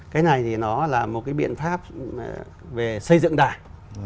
cái này thì nó là một cái biện pháp về xây dựng đảng